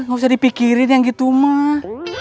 gak usah dipikirin yang gitu mah